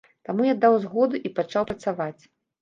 Таму я даў згоду і пачаў працаваць.